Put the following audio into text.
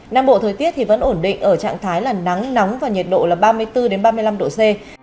nam bộ thời tiết thì vẫn ổn định ở trạng thái là nắng nóng và nhiệt độ là ba mươi bốn ba mươi năm độ c